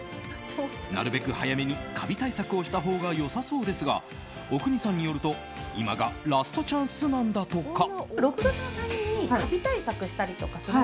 なるべく早めにカビ対策をしたほうがよさそうですが阿国さんによると今がラストチャンスなんだとか。